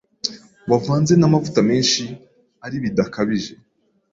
wavanze n’amavuta menshi ari bidakabije